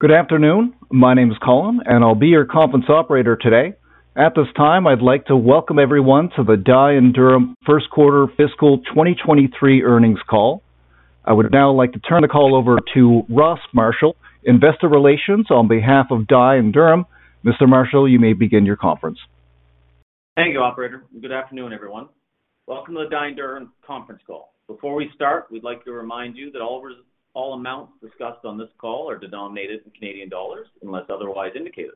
Good afternoon. My name is Colin, and I'll be your conference operator today. At this time, I'd like to welcome everyone to the Dye & Durham first quarter fiscal 2023 earnings call. I would now like to turn the call over to Ross Marshall, investor relations on behalf of Dye & Durham. Mr. Marshall, you may begin your conference. Thank you, operator. Good afternoon, everyone. Welcome to the Dye & Durham conference call. Before we start, we'd like to remind you that all amounts discussed on this call are denominated in Canadian dollars unless otherwise indicated.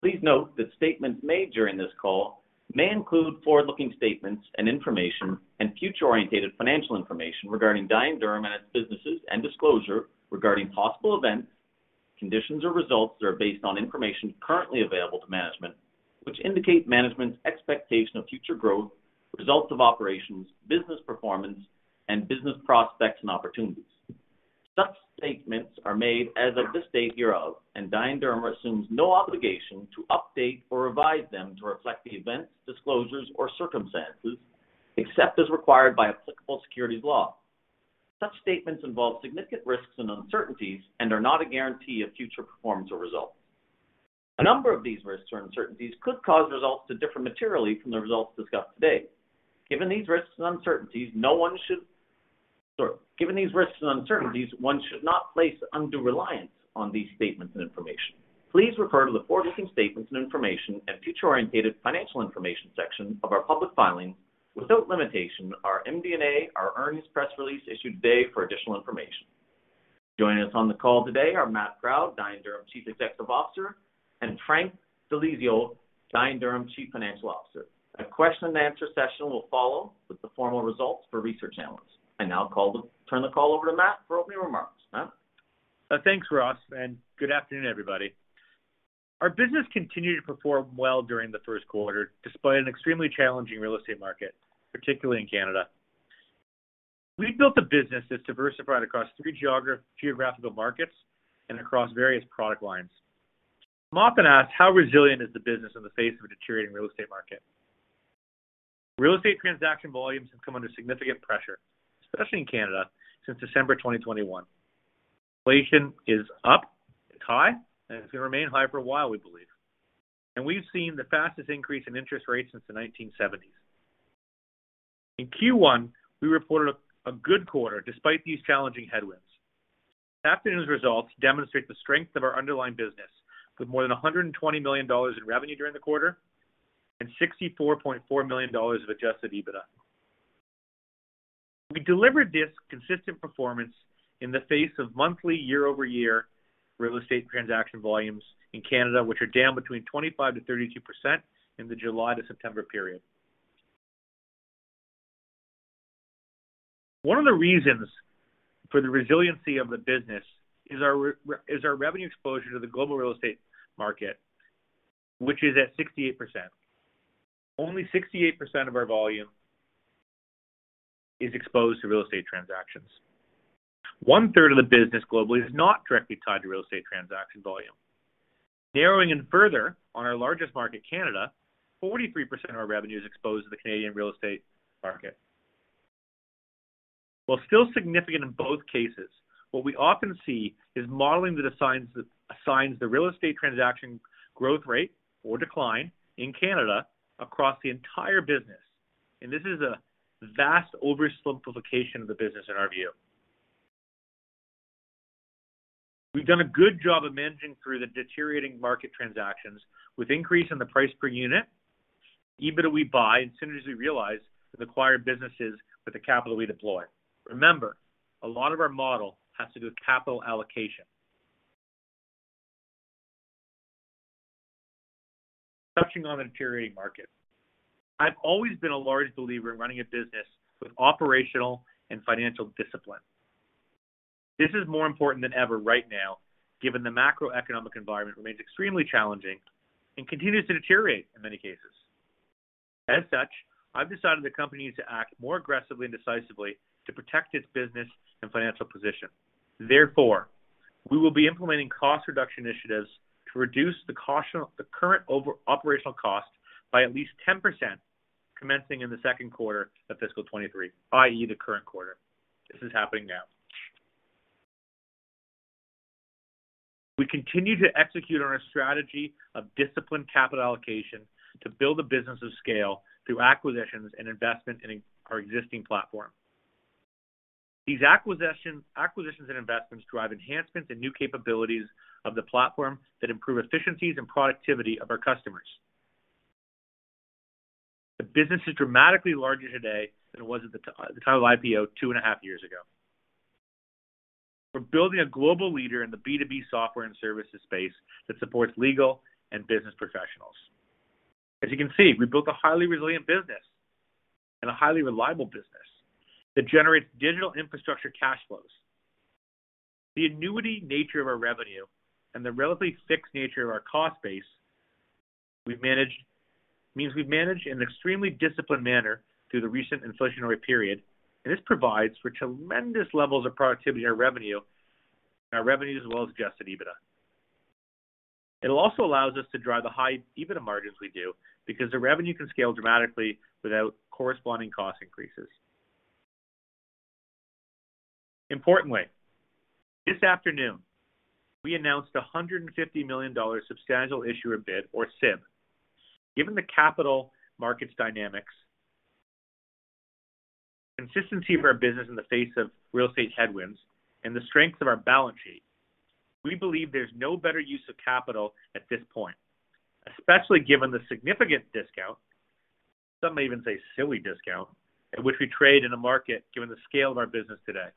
Please note that statements made during this call may include forward-looking statements, and information and future-oriented financial information regarding Dye & Durham and its businesses and disclosure regarding possible events, conditions or results that are based on information currently available to management, which indicate management's expectation of future growth, results of operations, business performance, and business prospects and opportunities. Such statements are made as of this date hereof, and Dye & Durham assumes no obligation to update or revise them to reflect the events, disclosures or circumstances except as required by applicable securities law. Such statements involve significant risks and uncertainties and are not a guarantee of future performance or results. A number of these risks or uncertainties could cause results to differ materially from the results discussed today. Given these risks and uncertainties, one should not place undue reliance on these statements and information. Please refer to the forward-looking statements and information and future oriented financial information section of our public filings, without limitation, our MD&A, our earnings press release issued today for additional information. Joining us on the call today are Matt Proud, Dye & Durham Chief Executive Officer, and Frank Di Liso, Dye & Durham Chief Financial Officer. A question-and-answer session will follow with the formal results for research analysts. I now turn the call over to Matt for opening remarks. Matt? Thanks, Ross, and good afternoon, everybody. Our business continued to perform well during the first quarter, despite an extremely challenging real estate market, particularly in Canada. We've built a business that's diversified across three geographical markets and across various product lines. I'm often asked how resilient is the business in the face of a deteriorating real estate market. Real estate transaction volumes have come under significant pressure, especially in Canada, since December 2021. Inflation is up, it's high, and it's gonna remain high for a while, we believe. We've seen the fastest increase in interest rates since the 1970s. In Q1, we reported a good quarter despite these challenging headwinds. Our results demonstrate the strength of our underlying business with more than 120 million dollars in revenue during the quarter and 64.4 million dollars of adjusted EBITDA. We delivered this consistent performance in the face of monthly year-over-year real estate transaction volumes in Canada, which are down between 25%-32% in the July to September period. One of the reasons for the resiliency of the business is our revenue exposure to the global real estate market, which is at 68%. Only 68% of our volume is exposed to real estate transactions. 1/3 of the business globally is not directly tied to real estate transaction volume. Narrowing in further on our largest market, Canada, 43% of our revenue is exposed to the Canadian real estate market. While still significant in both cases, what we often see is modeling that assigns the real estate transaction growth rate or decline in Canada across the entire business. This is a vast oversimplification of the business in our view. We've done a good job of managing through the deteriorating market transactions with increase in the price per unit, EBITDA we buy, and synergies we realize with acquired businesses with the capital we deploy. Remember, a lot of our model has to do with capital allocation. Touching on the deteriorating market. I've always been a large believer in running a business with operational and financial discipline. This is more important than ever right now, given the macroeconomic environment remains extremely challenging and continues to deteriorate in many cases. As such, I've decided the company needs to act more aggressively and decisively to protect its business and financial position. Therefore, we will be implementing cost reduction initiatives to reduce the current overhead operational cost by at least 10% commencing in the second quarter of fiscal 2023, i.e., the current quarter. This is happening now. We continue to execute on our strategy of disciplined capital allocation to build a business of scale through acquisitions and investment in our existing platform. These acquisitions and investments drive enhancements and new capabilities of the platform that improve efficiencies and productivity of our customers. The business is dramatically larger today than it was at the time of IPO two and a half years ago. We're building a global leader in the B2B software and services space that supports legal and business professionals. As you can see, we built a highly resilient business and a highly reliable business that generates digital infrastructure cash flows. The annuity nature of our revenue and the relatively fixed nature of our cost base means we've managed in an extremely disciplined manner through the recent inflationary period, and this provides for tremendous levels of productivity in our revenues as well as adjusted EBITDA. It also allows us to drive the high EBITDA margins we do because the revenue can scale dramatically without corresponding cost increases. Importantly, this afternoon, we announced a 150 million dollar substantial issuer bid or SIB. Given the capital markets dynamics, consistency of our business in the face of real estate headwinds and the strength of our balance sheet, we believe there's no better use of capital at this point, especially given the significant discount, some may even say silly discount, at which we trade in the market, given the scale of our business today.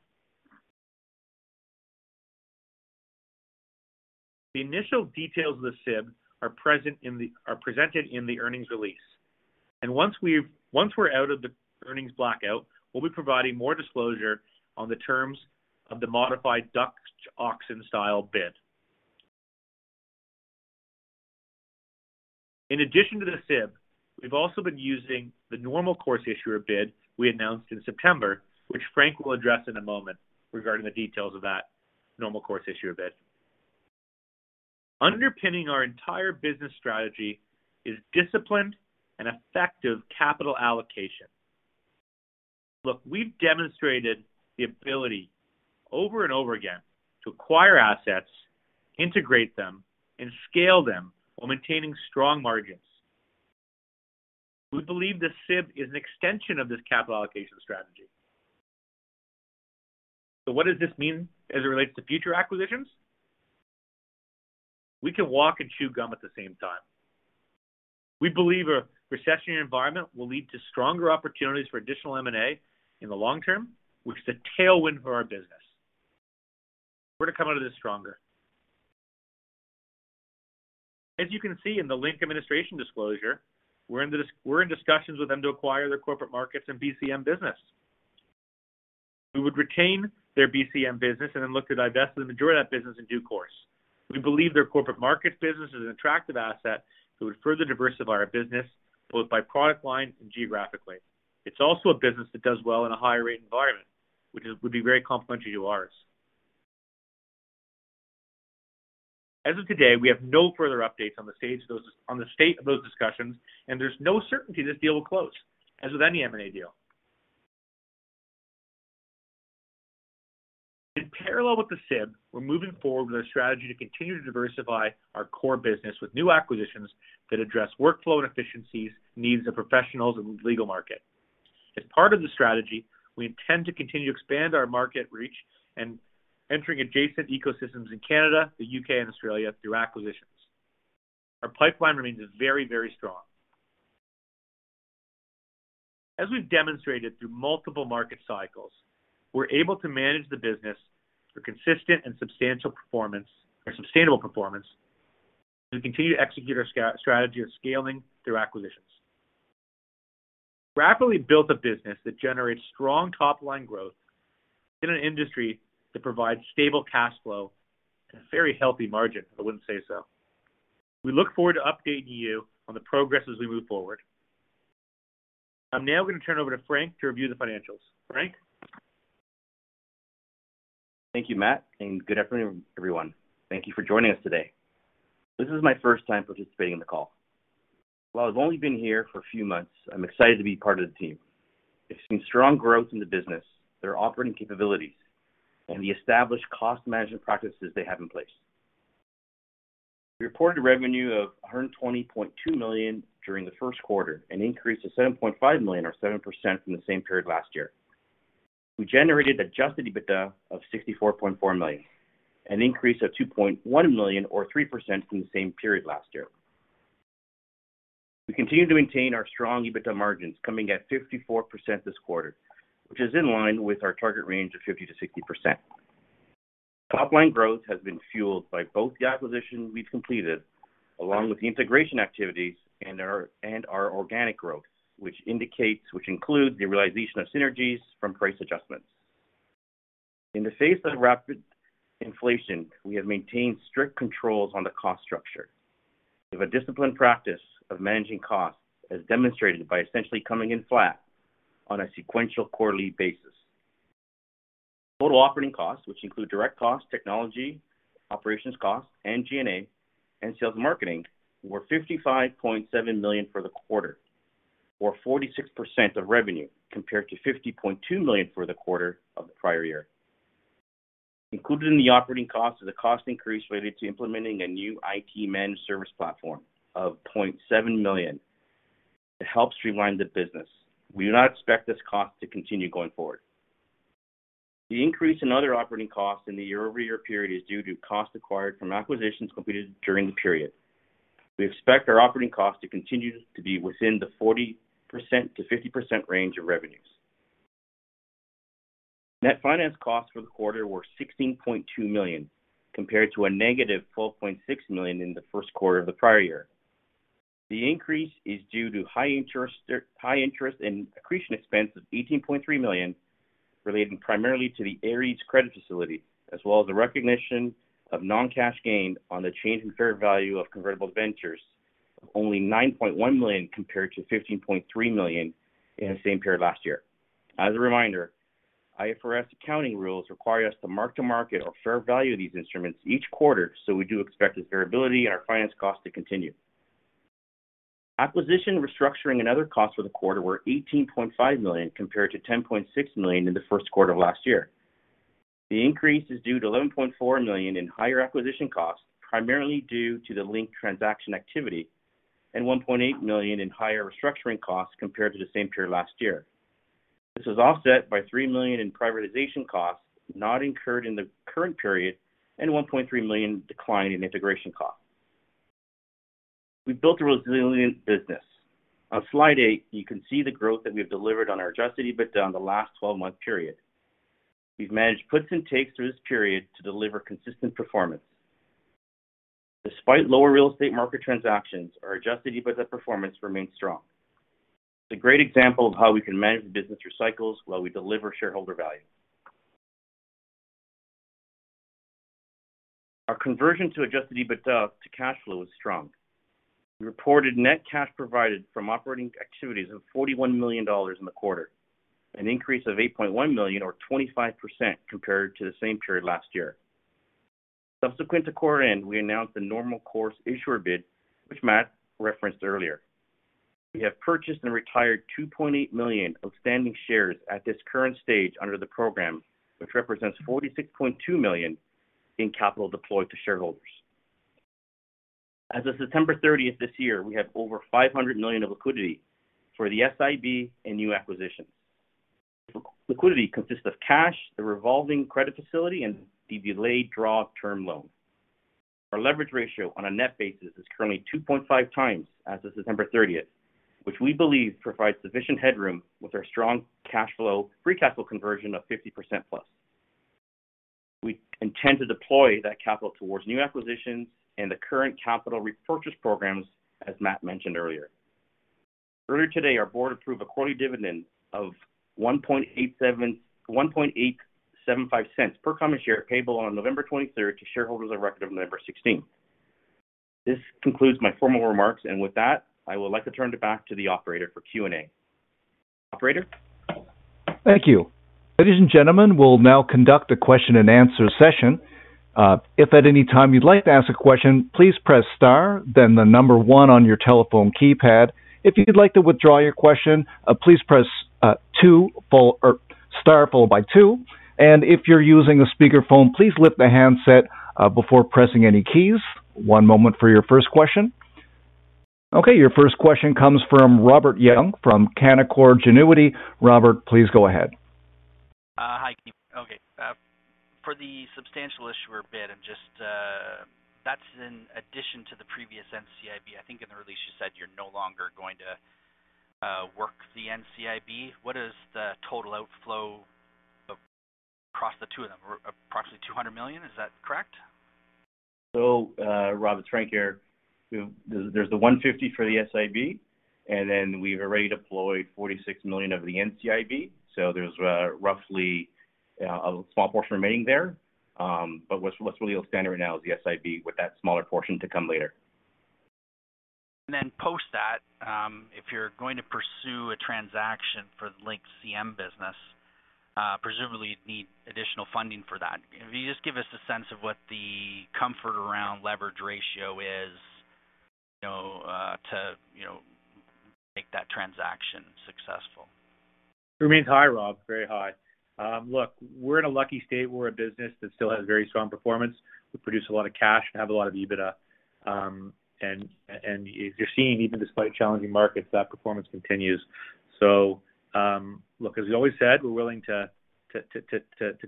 The initial details of the SIB are presented in the earnings release. Once we're out of the earnings blackout, we'll be providing more disclosure on the terms of the modified Dutch auction style bid. In addition to the SIB, we've also been using the normal course issuer bid we announced in September, which Frank will address in a moment regarding the details of that normal course issuer bid. Underpinning our entire business strategy is disciplined and effective capital allocation. Look, we've demonstrated the ability over and over again to acquire assets, integrate them, and scale them while maintaining strong margins. We believe the SIB is an extension of this capital allocation strategy. What does this mean as it relates to future acquisitions? We can walk and chew gum at the same time. We believe a recessionary environment will lead to stronger opportunities for additional M&A in the long term, which is a tailwind for our business. We're to come out of this stronger. As you can see in the Link Administration disclosure, we're in discussions with them to acquire their corporate markets and BCM business. We would retain their BCM business and then look to divest the majority of that business in due course. We believe their corporate market business is an attractive asset that would further diversify our business, both by product line and geographically. It's also a business that does well in a higher rate environment, which would be very complementary to ours. As of today, we have no further updates on the state of those discussions, and there's no certainty this deal will close, as with any M&A deal. In parallel with the SIB, we're moving forward with our strategy to continue to diversify our core business with new acquisitions that address workflow and efficiency needs of professionals in legal market. As part of the strategy, we intend to continue to expand our market reach and entering adjacent ecosystems in Canada, the U.K. and Australia through acquisitions. Our pipeline remains very, very strong. As we've demonstrated through multiple market cycles, we're able to manage the business for consistent and substantial performance or sustainable performance as we continue to execute our strategy of scaling through acquisitions. We rapidly built a business that generates strong top-line growth in an industry that provides stable cash flow and a very healthy margin, if I wouldn't say so. We look forward to updating you on the progress as we move forward. I'm now going to turn over to Frank to review the financials. Frank. Thank you, Matt, and good afternoon, everyone. Thank you for joining us today. This is my first time participating in the call. While I've only been here for a few months, I'm excited to be part of the team. I've seen strong growth in the business, their operating capabilities, and the established cost management practices they have in place. We reported revenue of 120.2 million during the first quarter, an increase of 7.5 million or 7% from the same period last year. We generated adjusted EBITDA of 64.4 million, an increase of 2.1 million or 3% from the same period last year. We continue to maintain our strong EBITDA margins coming at 54% this quarter, which is in line with our target range of 50%-60%. Top line growth has been fueled by both the acquisitions we've completed, along with the integration activities and our organic growth, which include the realization of synergies from price adjustments. In the face of rapid inflation, we have maintained strict controls on the cost structure. We have a disciplined practice of managing costs, as demonstrated by essentially coming in flat on a sequential quarterly basis. Total operating costs, which include direct costs, technology, operations costs, and G&A and sales marketing, were 55.7 million for the quarter or 46% of revenue, compared to 50.2 million for the quarter of the prior year. Included in the operating cost is a cost increase related to implementing a new IT managed service platform of 0.7 million. It helps streamline the business. We do not expect this cost to continue going forward. The increase in other operating costs in the year-over-year period is due to costs acquired from acquisitions completed during the period. We expect our operating costs to continue to be within the 40%-50% range of revenues. Net finance costs for the quarter were 16.2 million, compared to a negative 12.6 million in the first quarter of the prior year. The increase is due to high interest and accretion expense of 18.3 million, relating primarily to the Ares credit facility, as well as the recognition of non-cash gain on the change in fair value of convertible debentures of only 9.1 million compared to 15.3 million in the same period last year. As a reminder, IFRS accounting rules require us to mark-to-market our fair value of these instruments each quarter, so we do expect this variability in our finance costs to continue. Acquisition restructuring and other costs for the quarter were 18.5 million compared to 10.6 million in the first quarter of last year. The increase is due to 11.4 million in higher acquisition costs, primarily due to the Link transaction activity and 1.8 million in higher restructuring costs compared to the same period last year. This was offset by 3 million in privatization costs not incurred in the current period and 1.3 million decline in integration costs. We built a resilient business. On slide 8, you can see the growth that we've delivered on our adjusted EBITDA in the last 12-month period. We've managed puts and takes through this period to deliver consistent performance. Despite lower real estate market transactions, our adjusted EBITDA performance remains strong. It's a great example of how we can manage the business through cycles while we deliver shareholder value. Our conversion to adjusted EBITDA to cash flow is strong. We reported net cash provided from operating activities of 41 million dollars in the quarter, an increase of 8.1 million or 25% compared to the same period last year. Subsequent to quarter end, we announced the normal course issuer bid, which Matt referenced earlier. We have purchased and retired 2.8 million outstanding shares at this current stage under the program, which represents 46.2 million in capital deployed to shareholders. As of September 30 this year, we have over 500 million of liquidity for the NCIB and new acquisitions. Liquidity consists of cash, the revolving credit facility, and the delayed draw term loan. Our leverage ratio on a net basis is currently 2.5x as of September 30th, which we believe provides sufficient headroom with our strong cash flow free capital conversion of 50%+. We intend to deploy that capital towards new acquisitions and the current capital repurchase programs, as Matt mentioned earlier. Earlier today, our board approved a quarterly dividend of CAD 0.01875 per common share payable on November 23rd to shareholders of record of November 16th. This concludes my formal remarks, and with that, I would like to turn it back to the operator for Q&A. Operator? Thank you. Ladies and gentlemen, we'll now conduct a question and answer session. If at any time you'd like to ask a question, please press star then the number one on your telephone keypad. If you'd like to withdraw your question, please press star followed by two. If you're using a speakerphone, please lift the handset before pressing any keys. One moment for your first question. Okay, your first question comes from Robert Young from Canaccord Genuity. Robert, please go ahead. Hi. Okay. For the substantial issuer bid, and just that's in addition to the previous NCIB. I think in the release you said you're no longer going to work the NCIB. What is the total outflow across the two of them? Approximately 200 million, is that correct? Robert, Frank here. There's the 150 for the SIB, and then we've already deployed 46 million of the NCIB. There's roughly a small portion remaining there. But what's really outstanding right now is the SIB with that smaller portion to come later. Post that, if you're going to pursue a transaction for the Link Group business, presumably you'd need additional funding for that. Can you just give us a sense of what the comfort around leverage ratio is, you know, to make that transaction successful? Remains high, Rob. Very high. Look, we're in a lucky state. We're a business that still has very strong performance. We produce a lot of cash and have a lot of EBITDA. And you're seeing even despite challenging markets, that performance continues. Look, as we always said, we're willing to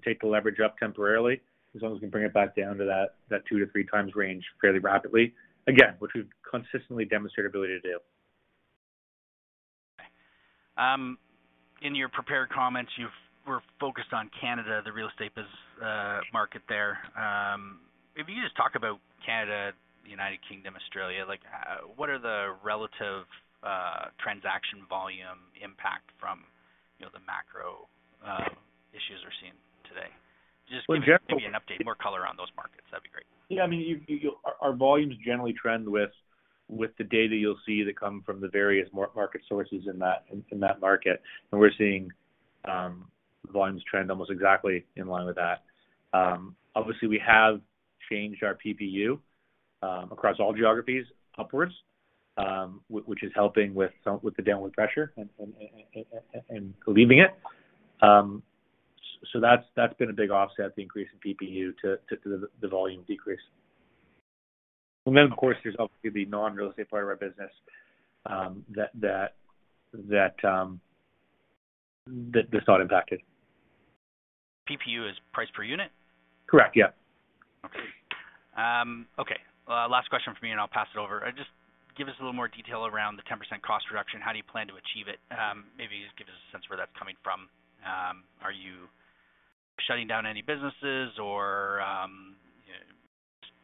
take the leverage up temporarily, as long as we can bring it back down to that 2-3x range fairly rapidly. Again, which we've consistently demonstrated ability to do. Okay. In your prepared comments, you were focused on Canada, the real estate market there. If you just talk about Canada, the United Kingdom, Australia, like, what are the relative transaction volume impact from, you know, the macro issues we're seeing today? Just give maybe an update, more color on those markets. That'd be great. Yeah. I mean, our volumes generally trend with the data you'll see that come from the various market sources in that market. We're seeing volumes trend almost exactly in line with that. Obviously, we have changed our PPU across all geographies upwards, which is helping with the downward pressure and alleviating it. That's been a big offset, the increase in PPU to the volume decrease. Of course, there's obviously the non-real estate part of our business, that's not impacted. PPU is price per unit? Correct. Yeah. Okay. Last question from me, and I'll pass it over. Just give us a little more detail around the 10% cost reduction. How do you plan to achieve it? Maybe just give us a sense of where that's coming from. Are you shutting down any businesses or, just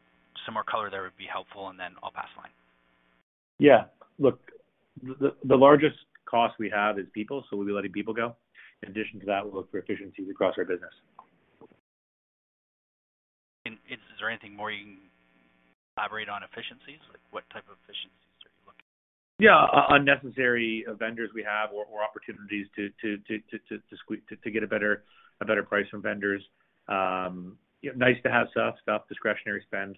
some more color there would be helpful, and then I'll pass the line. Yeah. Look, the largest cost we have is people, so we'll be letting people go. In addition to that, we'll look for efficiencies across our business. Is there anything more you can elaborate on efficiencies? Like, what type of efficiencies are you looking at? Yeah. Unnecessary vendors we have or opportunities to get a better price from vendors. You know, nice to have stuff, discretionary spend.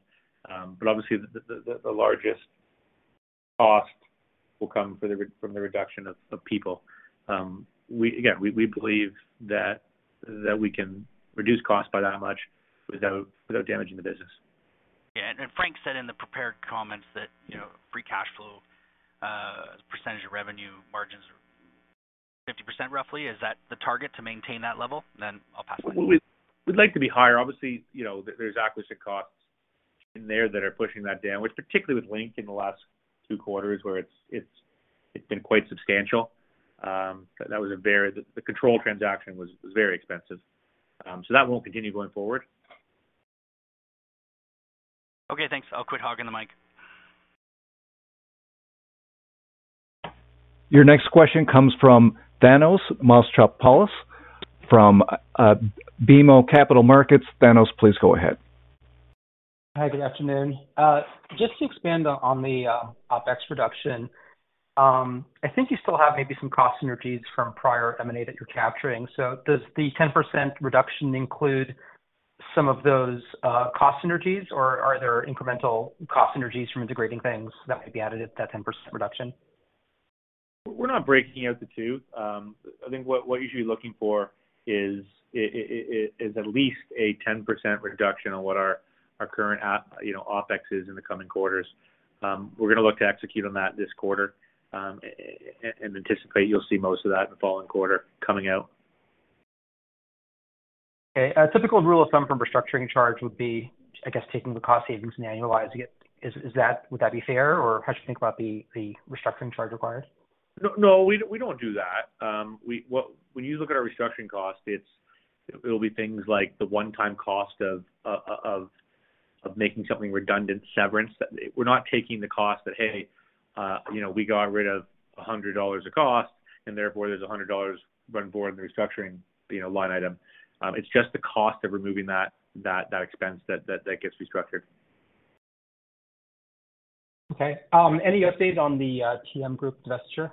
Obviously the largest cost will come from the reduction of people. Again, we believe that we can reduce costs by that much without damaging the business. Yeah. Frank said in the prepared comments that, you know, free cash flow percentage of revenue margins are 50% roughly. Is that the target to maintain that level? I'll pass it on. We'd like to be higher. Obviously, you know, there's acquisition costs in there that are pushing that down, which particularly with Link in the last two quarters where it's been quite substantial. But the control transaction was very expensive. That won't continue going forward. Okay, thanks. I'll quit hogging the mic. Your next question comes from Thanos Moschopoulos from BMO Capital Markets. Thanos, please go ahead. Hi, good afternoon. Just to expand on the OpEx reduction. I think you still have maybe some cost synergies from prior M&A that you're capturing. Does the 10% reduction include some of those cost synergies, or are there incremental cost synergies from integrating things that might be added at that 10% reduction? We're not breaking out the two. I think what you should be looking for is at least a 10% reduction on what our current, you know, OpEx is in the coming quarters. We're gonna look to execute on that this quarter, and anticipate you'll see most of that in the following quarter coming out. Okay. A typical rule of thumb for restructuring charge would be, I guess, taking the cost savings and annualizing it. Would that be fair, or how should you think about the restructuring charge required? No, we don't do that. When you look at our restructuring cost, it'll be things like the one-time cost of making something redundant, severance. We're not taking the cost that, hey, you know, we got rid of 100 dollars of cost, and therefore there's 100 dollars going forward in the restructuring, you know, line item. It's just the cost of removing that expense that gets restructured. Okay. Any updates on the TM Group divestiture?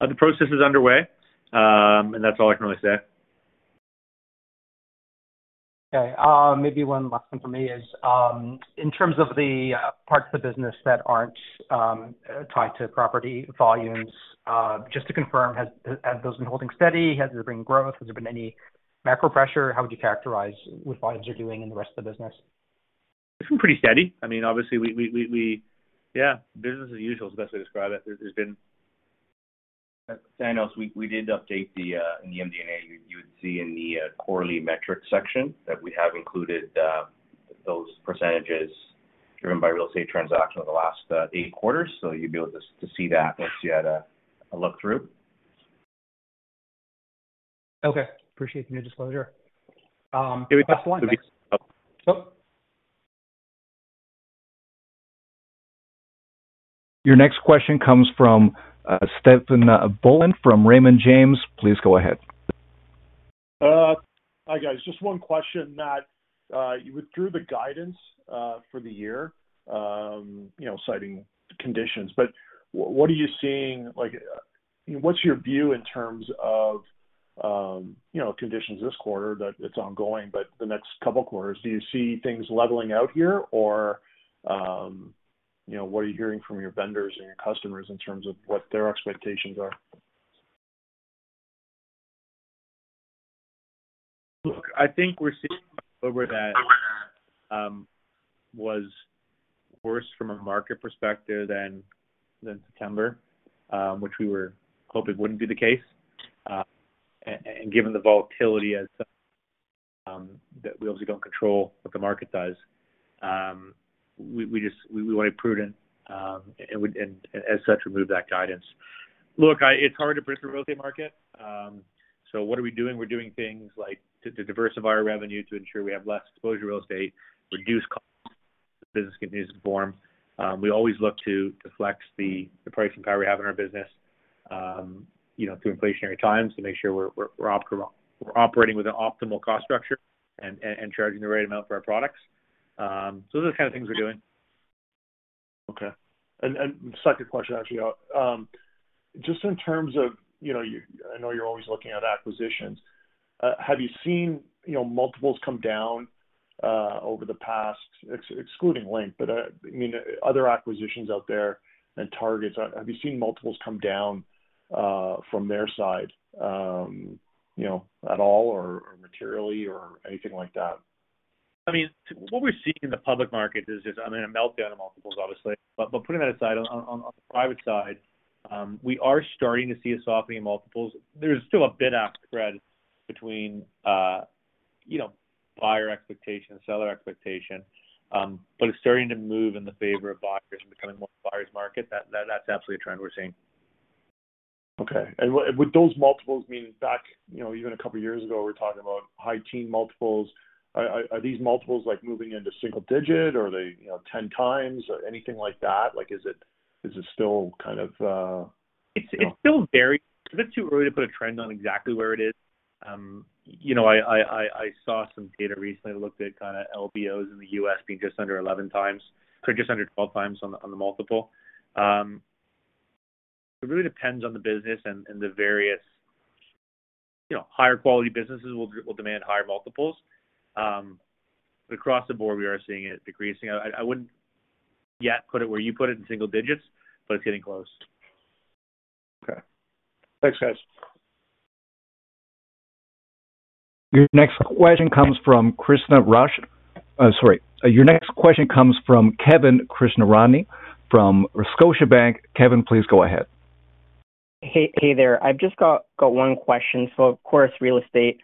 The process is underway, and that's all I can really say. Okay. Maybe one last one for me is, in terms of the parts of the business that aren't tied to property volumes, just to confirm, has those been holding steady? Has there been growth? Has there been any macro pressure? How would you characterize what volumes you're doing in the rest of the business? It's been pretty steady. I mean, obviously, yeah, business as usual is the best way to describe it as it has been. Thanos, we did update in the MD&A. You would see in the quarterly metrics section that we have included those percentages driven by real estate transaction over the last eight quarters. So you'd be able to see that once you had a look through. Okay. Appreciate the new disclosure. I’ll pass the line. Thanks. Yeah. Cool. Your next question comes from Stephen Boland from Raymond James. Please go ahead. Hi, guys. Just one question that you withdrew the guidance for the year, you know, citing conditions. What are you seeing? Like, what's your view in terms of, you know, conditions this quarter that it's ongoing, but the next couple of quarters, do you see things leveling out here or, you know, what are you hearing from your vendors and your customers in terms of what their expectations are? Look, I think we're seeing October that was worse from a market perspective than September, which we were hoping wouldn't be the case. Given the volatility that we obviously don't control what the market does, we just wanna be prudent, and as such, remove that guidance. Look, it's hard to predict the real estate market. What are we doing? We're doing things like to diversify our revenue to ensure we have less exposure to real estate, reduce costs, the business continues to perform. We always look to flex the pricing power we have in our business, you know, through inflationary times to make sure we're operating with an optimal cost structure and charging the right amount for our products. Those are the kind of things we're doing. Okay. Second question, actually. Just in terms of, you know, I know you're always looking at acquisitions. Have you seen, you know, multiples come down over the past excluding Link, but I mean, other acquisitions out there and targets. Have you seen multiples come down from their side, you know, at all or materially or anything like that? I mean, what we're seeing in the public market is just, I mean, a meltdown of multiples, obviously. Putting that aside, on the private side, we are starting to see a softening in multiples. There's still a bid-ask spread between, you know, buyer expectation, seller expectation, but it's starting to move in the favor of buyers and becoming more a buyer's market. That's absolutely a trend we're seeing. Okay. With those multiples, meaning back, you know, even a couple of years ago, we're talking about high teen multiples. Are these multiples like moving into single digit or are they, you know, 10x or anything like that? Like, is it still kind of, you know- It's still a bit too early to put a trend on exactly where it is. You know, I saw some data recently. I looked at kinda LBOs in the U.S. being just under 11x or just under 12x on the multiple. It really depends on the business and the various. You know, higher quality businesses will demand higher multiples. But across the board, we are seeing it decreasing. I wouldn't yet put it where you put it in single digits, but it's getting close. Okay. Thanks, guys. Your next question comes from Kevin Krishnaratne from Scotiabank. Kevin, please go ahead. Hey, there. I've just got one question. Of course, real estate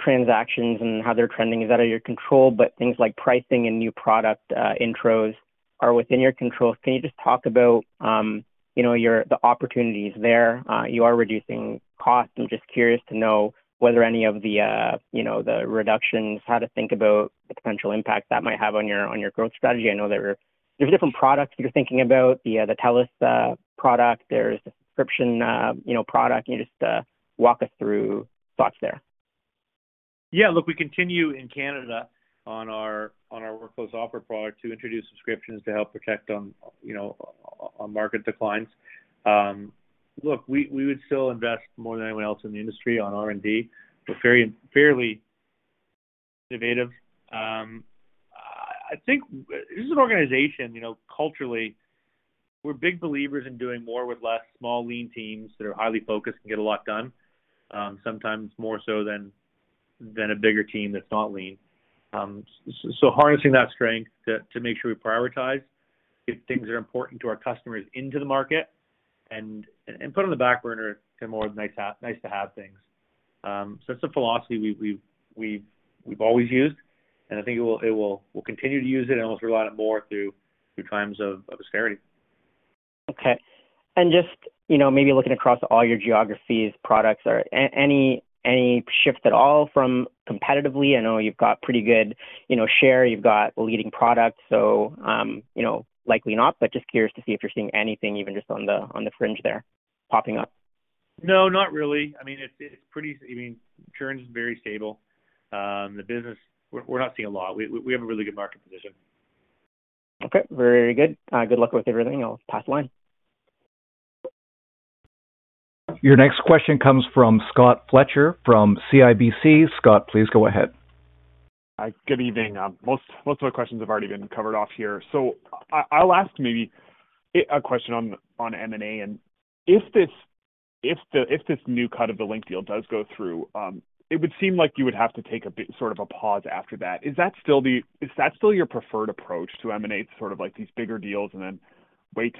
transactions and how they're trending is out of your control, but things like pricing and new product intros are within your control. Can you just talk about the opportunities there? You are reducing costs. I'm just curious to know whether any of the reductions, how to think about the potential impact that might have on your growth strategy. I know there's different products you're thinking about, the Unity product, there's the subscription product. Can you just walk us through thoughts there? Look, we continue in Canada on our workflow software product to introduce subscriptions to help protect on market declines. Look, we would still invest more than anyone else in the industry on R&D. We're fairly innovative. I think this is an organization, culturally, we're big believers in doing more with less small, lean teams that are highly focused and get a lot done, sometimes more so than a bigger team that's not lean. So harnessing that strength to make sure we prioritize if things are important to our customers into the market and put on the back burner the more nice-to-have things.It's a philosophy we've always used, and I think we'll continue to use it and also rely on it more through times of austerity. Okay. Just, you know, maybe looking across all your geographies, products, are any shift at all from competitively? I know you've got pretty good, you know, share. You've got leading products, so, you know, likely not, but just curious to see if you're seeing anything even just on the fringe there popping up. No, not really. I mean, it's pretty. I mean, churn is very stable. The business, we're not seeing a lot. We have a really good market position. Okay, very good. Good luck with everything. I'll pass the line. Your next question comes from Scott Fletcher from CIBC. Scott, please go ahead. Good evening. Most of my questions have already been covered off here. I'll ask a question on M&A. If this new cut of the Link deal does go through, it would seem like you would have to take a bit sort of a pause after that. Is that still your preferred approach to M&A, sort of like these bigger deals and then wait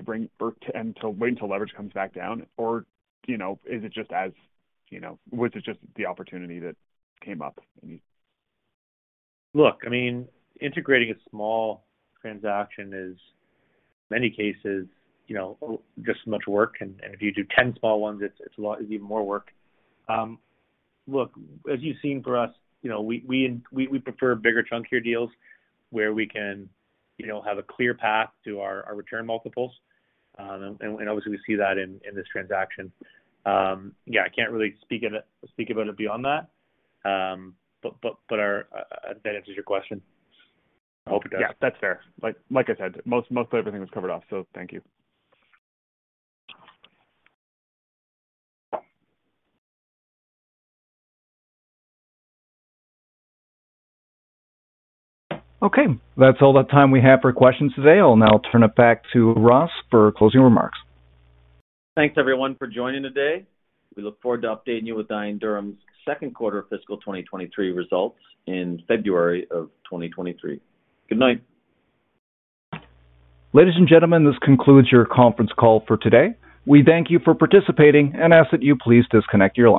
until leverage comes back down? Or, you know, is it just as, you know, was it just the opportunity that came up? Look, I mean, integrating a small transaction is, in many cases, you know, just as much work. If you do ten small ones, it's a lot, it's even more work. Look, as you've seen for us, you know, we prefer bigger chunkier deals where we can, you know, have a clear path to our return multiples. Obviously we see that in this transaction. Yeah, I can't really speak about it beyond that. That answers your question? I hope it does. Yeah, that's fair. Like I said, most of everything was covered off, so thank you. Okay. That's all the time we have for questions today. I'll now turn it back to Ross for closing remarks. Thanks everyone for joining today. We look forward to updating you with Dye & Durham's second quarter of fiscal 2023 results in February of 2023. Good night. Ladies and gentlemen, this concludes your conference call for today. We thank you for participating and ask that you please disconnect your line.